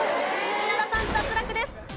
稲田さん脱落です。